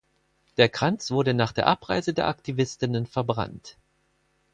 Der Kranz wurde nach der Abreise der Aktivistinnen verbrannt.